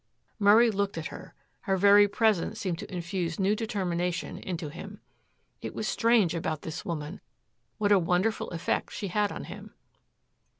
Murray looked at her. Her very presence seemed to infuse new determination into him. It was strange about this woman, what a wonderful effect she had on him.